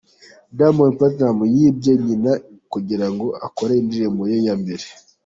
Diamond Platinumz yibye nyina kugirango akore indirimbo ye ya mbere